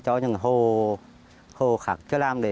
cho những hồ khác chưa làm